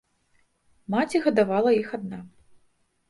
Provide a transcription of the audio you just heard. Маці гадавала іх адна.